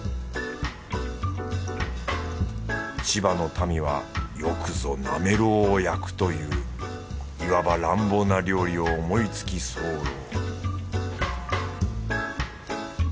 千葉の民はよくぞなめろうを焼くといういわば乱暴な料理を思いつきそうろう